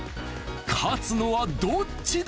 勝つのはどっちだ！？